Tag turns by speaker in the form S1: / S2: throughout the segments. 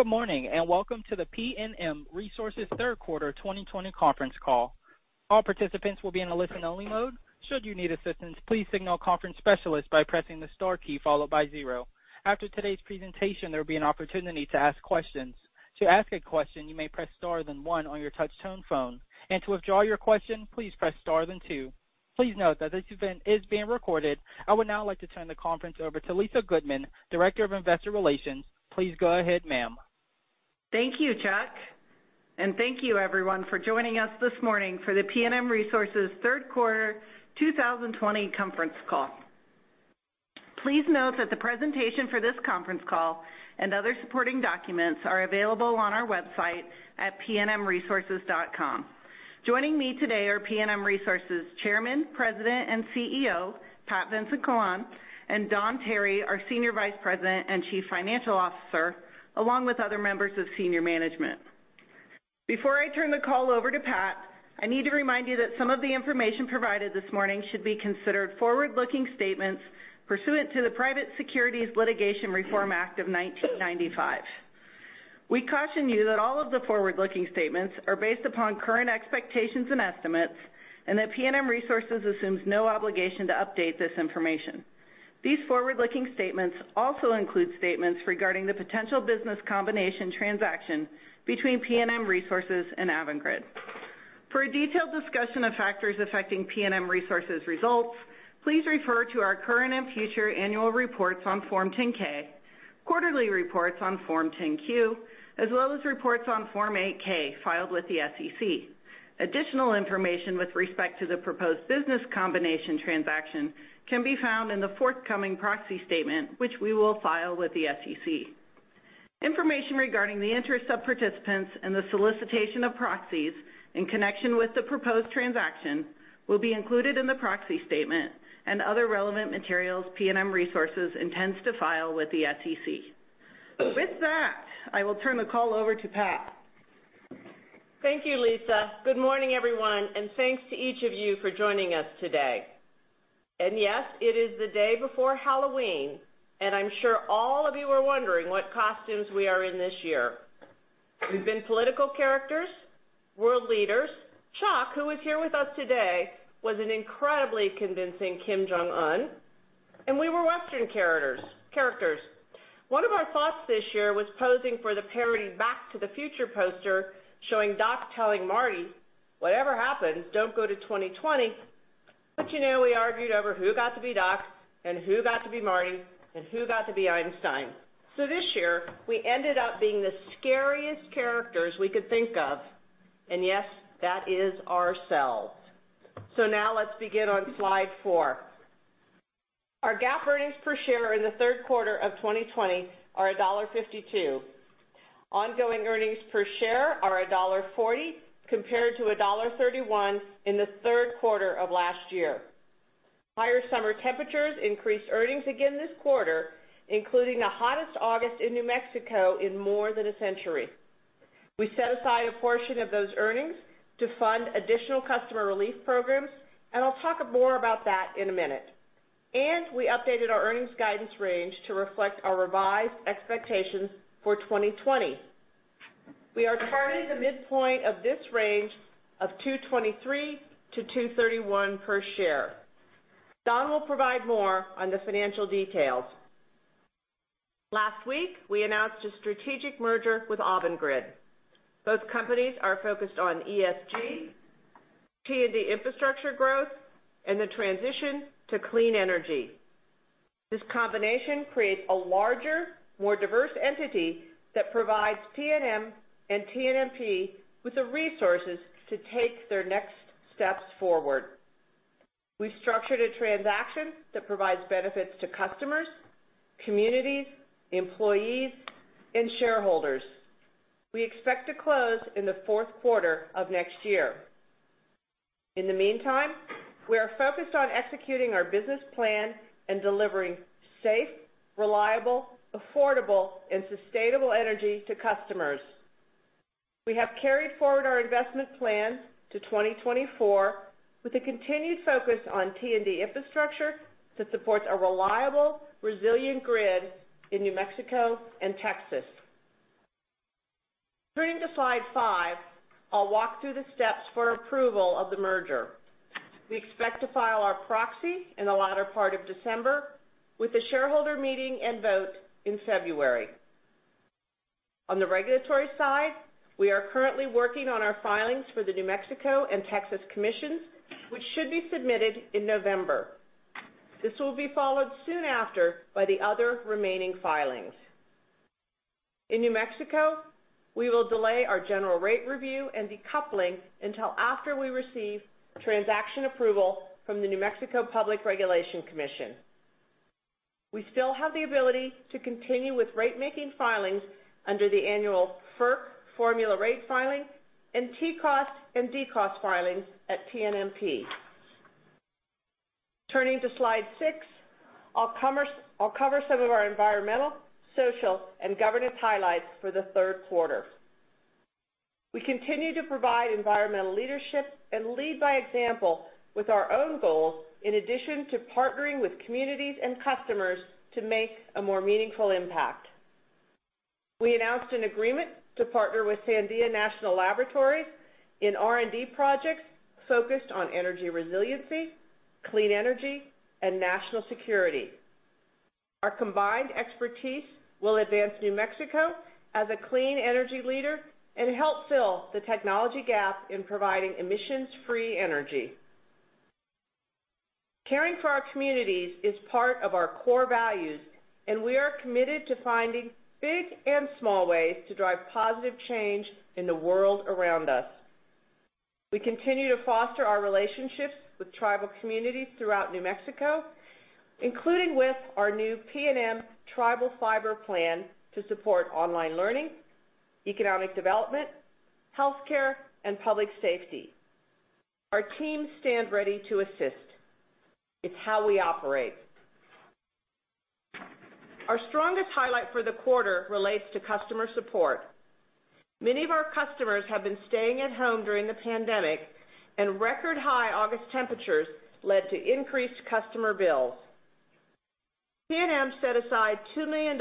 S1: Good morning, and welcome to the PNM Resources third quarter 2020 conference call. All participant's will be in a listen-only mode. Should you need assistance, please signal conference specialist by pressing the star key followed by zero. After today's presentation, there will be an opportunity to ask questions. To ask a question, you may press star then one on your touch-tone phone. To withdraw your question, please press star then two. Please note that this event is being recorded. I would now like to turn the conference over to Lisa Goodman, Director of Investor Relations. Please go ahead, ma'am.
S2: Thank you, Chuck. Thank you, everyone, for joining us this morning for the PNM Resources third quarter 2020 conference call. Please note that the presentation for this conference call and other supporting documents are available on our website at pnmresources.com. Joining me today are PNM Resources Chairman, President, and CEO, Pat Vincent-Collawn, and Don Tarry, our Senior Vice President and Chief Financial Officer, along with other members of senior management. Before I turn the call over to Pat, I need to remind you that some of the information provided this morning should be considered forward-looking statements pursuant to the Private Securities Litigation Reform Act of 1995. We caution you that all of the forward-looking statements are based upon current expectations and estimates and that PNM Resources assumes no obligation to update this information. These forward-looking statements also include statements regarding the potential business combination transaction between PNM Resources and Avangrid. For a detailed discussion of factors affecting PNM Resources results, please refer to our current and future annual reports on Form 10-K, quarterly reports on Form 10-Q, as well as reports on Form 8-K filed with the SEC. Additional information with respect to the proposed business combination transaction can be found in the forthcoming proxy statement, which we will file with the SEC. Information regarding the interests of participants in the solicitation of proxies in connection with the proposed transaction will be included in the proxy statement and other relevant materials PNM Resources intends to file with the SEC. With that, I will turn the call over to Pat.
S3: Thank you, Lisa. Good morning, everyone. Thanks to each of you for joining us today. Yes, it is the day before Halloween. I'm sure all of you are wondering what costumes we are in this year. We've been political characters, world leaders. Chuck, who is here with us today, was an incredibly convincing Kim Jong Un. We were Western characters. One of our thoughts this year was posing for the parody "Back to the Future" poster showing Doc telling Marty, "Whatever happens, don't go to 2020." You know, we argued over who got to be Doc and who got to be Marty and who got to be Einstein. This year, we ended up being the scariest characters we could think of. Yes, that is ourselves. Now let's begin on slide four. Our GAAP earnings per share in the third quarter of 2020 are $1.52. Ongoing earnings per share are $1.40 compared to $1.31 in the third quarter of last year. Higher summer temperatures increased earnings again this quarter, including the hottest August in New Mexico in more than a century. We set aside a portion of those earnings to fund additional customer relief programs, and I'll talk more about that in a minute. We updated our earnings guidance range to reflect our revised expectations for 2020. We are targeting the midpoint of this range of $2.23-$2.31 per share. Don will provide more on the financial details. Last week, we announced a strategic merger with Avangrid. Both companies are focused on ESG, T&D infrastructure growth, and the transition to clean energy. This combination creates a larger, more diverse entity that provides PNM and TNMP with the resources to take their next steps forward. We've structured a transaction that provides benefits to customers, communities, employees, and shareholders. We expect to close in the fourth quarter of next year. In the meantime, we are focused on executing our business plan and delivering safe, reliable, affordable, and sustainable energy to customers. We have carried forward our investment plan to 2024 with a continued focus on T&D infrastructure to support a reliable, resilient grid in New Mexico and Texas. Turning to slide five, I'll walk through the steps for approval of the merger. We expect to file our proxy in the latter part of December with the shareholder meeting and vote in February. On the regulatory side, we are currently working on our filings for the New Mexico and Texas Commissions, which should be submitted in November. This will be followed soon after by the other remaining filings. In New Mexico, we will delay our general rate review and decoupling until after we receive transaction approval from the New Mexico Public Regulation Commission. We still have the ability to continue with rate-making filings under the annual FERC formula rate filing and TCOS and DCOS filings at TNMP. Turning to slide six, I'll cover some of our environmental, social, and governance highlights for the third quarter. We continue to provide environmental leadership and lead by example with our own goals, in addition to partnering with communities and customers to make a more meaningful impact. We announced an agreement to partner with Sandia National Laboratories in R&D projects focused on energy resiliency, clean energy, and national security. Our combined expertise will advance New Mexico as a clean energy leader and help fill the technology gap in providing emissions-free energy. Caring for our communities is part of our core values, and we are committed to finding big and small ways to drive positive change in the world around us. We continue to foster our relationships with tribal communities throughout New Mexico, including with our new PNM Tribal Fiber plan to support online learning, economic development, healthcare, and public safety. Our teams stand ready to assist. It's how we operate. Our strongest highlight for the quarter relates to customer support. Many of our customers have been staying at home during the pandemic, and record-high August temperatures led to increased customer bills. PNM set aside $2 million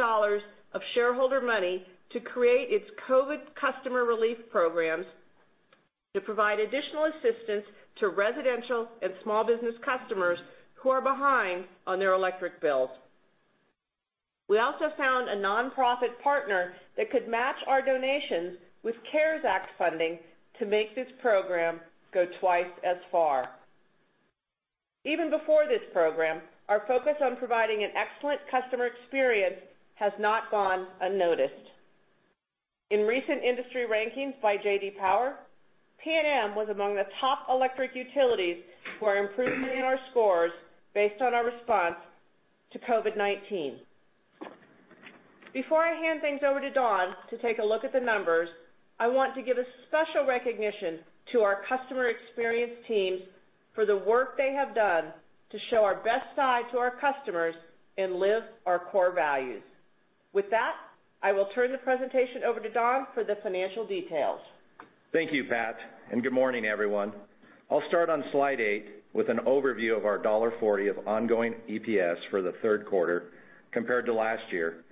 S3: of shareholder money to create its COVID customer relief programs to provide additional assistance to residential and small business customers who are behind on their electric bills. We also found a nonprofit partner that could match our donations with CARES Act funding to make this program go twice as far. Even before this program, our focus on providing an excellent customer experience has not gone unnoticed. In recent industry rankings by J.D. Power, PNM was among the top electric utilities for improvements in our scores based on our response to COVID-19. Before I hand things over to Don to take a look at the numbers, I want to give a special recognition to our customer experience teams for the work they have done to show our best side to our customers and live our core values. With that, I will turn the presentation over to Don for the financial details.
S4: Thank you, Pat, and good morning, everyone. I'll start on slide eight with an overview of our $1.40 of ongoing EPS for the third quarter compared to last year.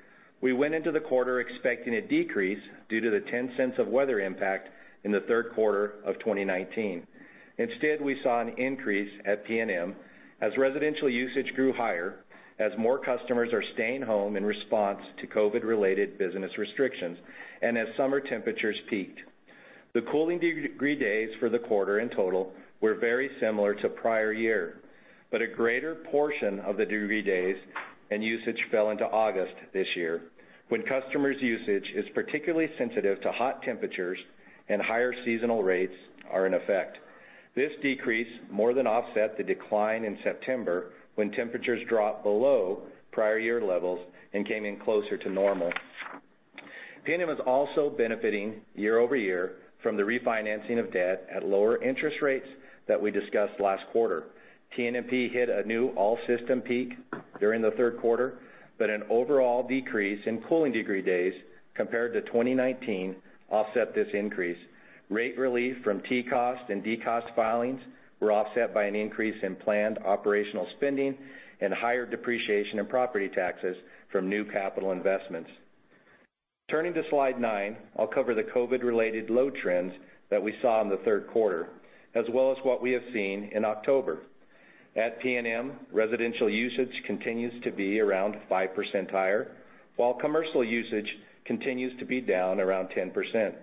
S4: We went into the quarter expecting a decrease due to the $0.10 of weather impact in the third quarter of 2019. Instead, we saw an increase at PNM as residential usage grew higher, as more customers are staying home in response to COVID-related business restrictions, and as summer temperatures peaked. The cooling degree days for the quarter in total were very similar to prior year. A greater portion of the degree days and usage fell into August this year, when customers' usage is particularly sensitive to hot temperatures and higher seasonal rates are in effect. This decrease more than offset the decline in September, when temperatures dropped below prior year levels and came in closer to normal. PNM is also benefiting year-over-year from the refinancing of debt at lower interest rates that we discussed last quarter. TNMP hit a new all-system peak during the third quarter, but an overall decrease in cooling degree days compared to 2019 offset this increase. Rate relief from TCOS and DCOS filings were offset by an increase in planned operational spending and higher depreciation in property taxes from new capital investments. Turning to slide nine, I'll cover the COVID-related load trends that we saw in the third quarter, as well as what we have seen in October. At PNM, residential usage continues to be around 5% higher, while commercial usage continues to be down around 10%.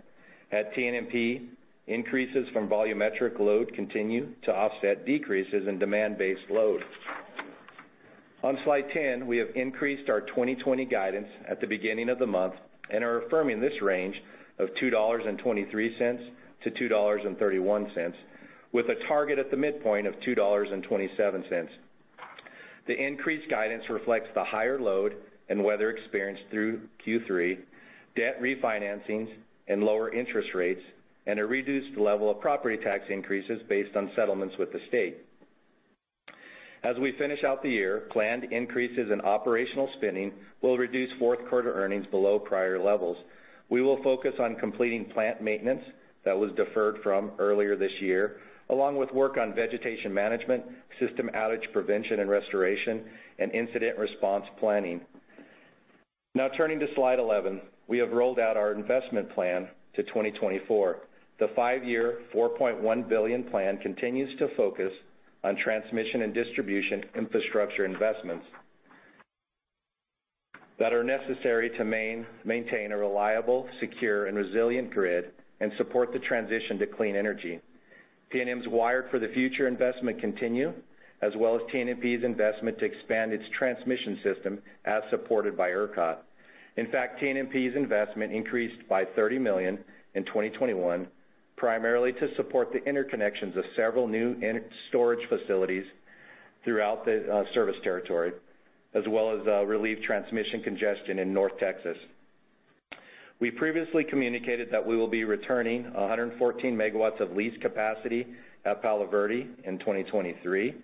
S4: At TNMP, increases from volumetric load continue to offset decreases in demand-based load. On slide 10, we have increased our 2020 guidance at the beginning of the month and are affirming this range of $2.23-$2.31, with a target at the midpoint of $2.27. The increased guidance reflects the higher load and weather experienced through Q3, debt refinancing and lower interest rates, and a reduced level of property tax increases based on settlements with the state. As we finish out the year, planned increases in operational spending will reduce fourth-quarter earnings below prior levels. We will focus on completing plant maintenance that was deferred from earlier this year, along with work on vegetation management, system outage prevention and restoration, and incident response planning. Now turning to slide 11, we have rolled out our investment plan to 2024. The five-year, $4.1 billion plan continues to focus on transmission and distribution infrastructure investments that are necessary to maintain a reliable, secure, and resilient grid and support the transition to clean energy. PNM's Wired for the Future investment continue, as well as TNMP's investment to expand its transmission system as supported by ERCOT. In fact, TNMP's investment increased by $30 million in 2021, primarily to support the interconnections of several new storage facilities throughout the service territory, as well as relieve transmission congestion in North Texas. We previously communicated that we will be returning 114 MW of lease capacity at Palo Verde in 2023,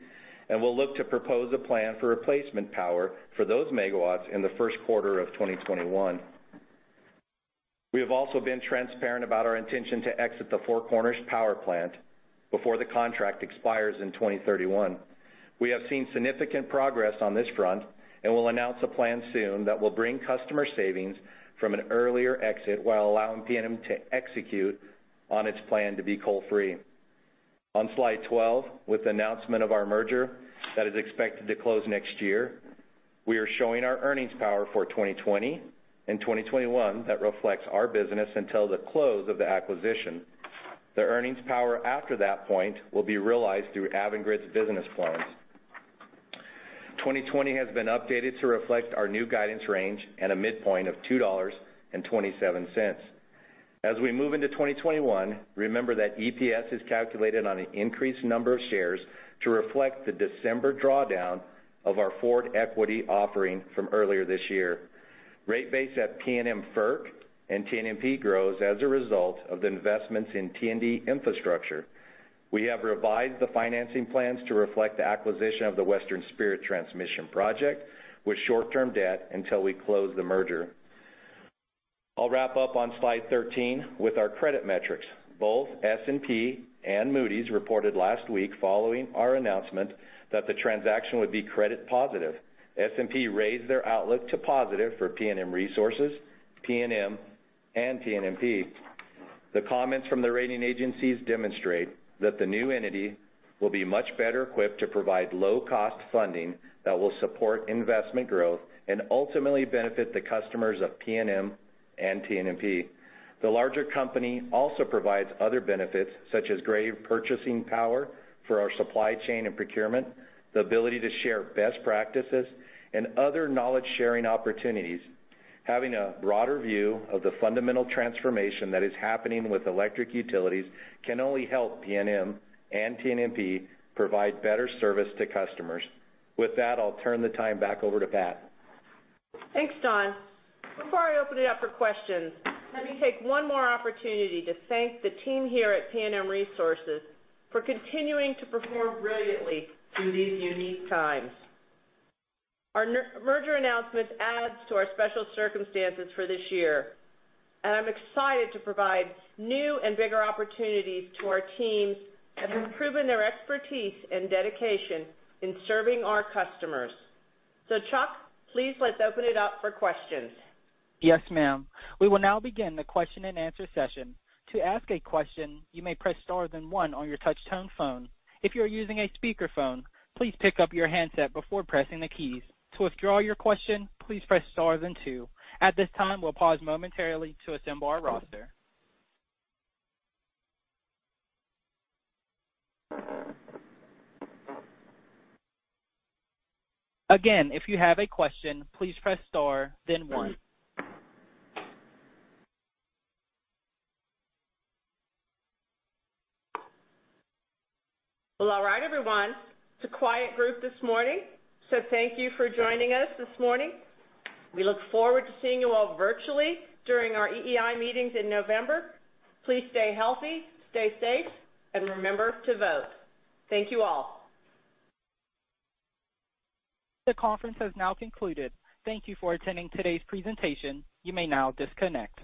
S4: and we'll look to propose a plan for replacement power for those megawatts in the first quarter of 2021. We have also been transparent about our intention to exit the Four Corners Power Plant before the contract expires in 2031. We have seen significant progress on this front, and we'll announce a plan soon that will bring customer savings from an earlier exit while allowing PNM to execute on its plan to be coal-free. On slide 12, with the announcement of our merger that is expected to close next year, we are showing our earnings power for 2020 and 2021 that reflects our business until the close of the acquisition. The earnings power after that point will be realized through Avangrid's business plans. 2020 has been updated to reflect our new guidance range and a midpoint of $2.27. As we move into 2021, remember that EPS is calculated on an increased number of shares to reflect the December drawdown of our forward equity offering from earlier this year. Rate base at PNM FERC and TNMP grows as a result of the investments in T&D infrastructure. We have revised the financing plans to reflect the acquisition of the Western Spirit transmission project with short-term debt until we close the merger. I'll wrap up on slide 13 with our credit metrics. Both S&P and Moody's reported last week following our announcement that the transaction would be credit positive. S&P raised their outlook to positive for PNM Resources, PNM, and TNMP. The comments from the rating agencies demonstrate that the new entity will be much better equipped to provide low-cost funding that will support investment growth and ultimately benefit the customers of PNM and TNMP. The larger company also provides other benefits, such as great purchasing power for our supply chain and procurement, the ability to share best practices, and other knowledge-sharing opportunities. Having a broader view of the fundamental transformation that is happening with electric utilities can only help PNM and TNMP provide better service to customers. With that, I'll turn the time back over to Pat.
S3: Thanks, Don. Before I open it up for questions, let me take one more opportunity to thank the team here at PNM Resources for continuing to perform brilliantly through these unique times. Our merger announcement adds to our special circumstances for this year, and I'm excited to provide new and bigger opportunities to our teams that have proven their expertise and dedication in serving our customers. Chuck, please, let's open it up for questions.
S1: Yes, ma'am. We will now begin the question-and-answer session. To ask a question, you may press star then one on your touch-tone phone. If you are using a speakerphone, please pick up your handset before pressing the keys. To withdraw your question, please press star then two. At this time, we'll pause momentarily to assemble our roster. Again, if you have a question, please press star then one.
S3: Well, all right, everyone. It's a quiet group this morning, so thank you for joining us this morning. We look forward to seeing you all virtually during our EEI meetings in November. Please stay healthy, stay safe, and remember to vote. Thank you all.
S1: The conference has now concluded. Thank you for attending today's presentation. You may now disconnect.